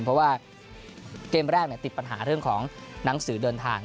เพราะว่าเกมแรกติดปัญหาเรื่องของหนังสือเดินทาง